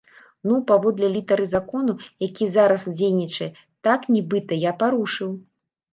Ну, паводле літары закону, які зараз дзейнічае, так, нібыта я парушыў.